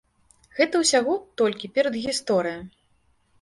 Гэта ўсяго толькі перадгісторыя.